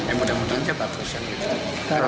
eh mudah mudahan dia bagus